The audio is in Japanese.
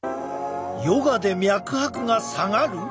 ヨガで脈拍が下がる？